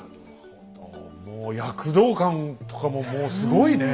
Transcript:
もう躍動感とかももうすごいね！